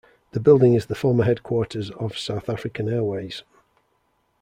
The building is the former headquarters of South African Airways.